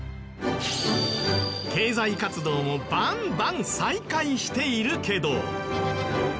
経済活動もバンバン再開しているけど。